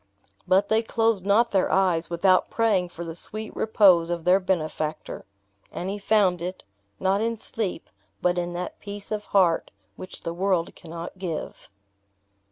But they closed not their eyes without praying for the sweet repose of their benefactor. And he found it; not in sleep, but in that peace of heart which the world cannot give.